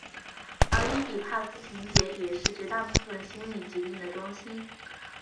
而伊底帕斯情结也是绝大部分心理疾病的中心。